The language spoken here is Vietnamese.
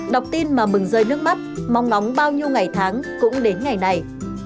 đọc tin mà mừng rơi nước mắt mong ngóng bao nhiêu ngày tháng cũng đến ngày này